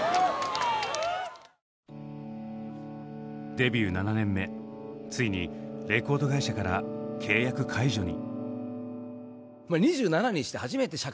デビュー７年目ついにレコード会社から契約解除に。